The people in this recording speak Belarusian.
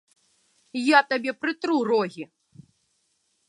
Я табе прытру рогі!